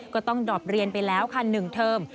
ก็ต้องดอบเรียนไปแล้วค่ะ๑เทอม